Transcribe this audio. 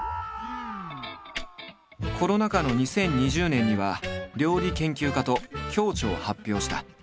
コロナ禍の２０２０年には料理研究家と共著を発表した。